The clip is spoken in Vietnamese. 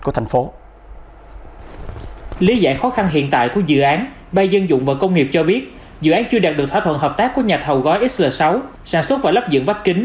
lý giải khó khăn hiện tại của dự án bay dân dụng và công nghiệp cho biết dự án chưa đạt được thỏa thuận hợp tác của nhà thầu gói sl sáu sản xuất và lắp dựng vách kính